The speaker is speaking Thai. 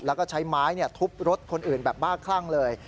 แล้วก็ใช้ไม้ทุบรถคนอื่นแบบบ้าคลั่งเลย